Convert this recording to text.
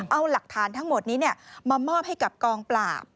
เอาหลักฐานทั้งหมดนี้มามอบให้กับกองปราบ